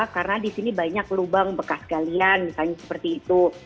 karena di sini banyak lubang bekas galian misalnya seperti itu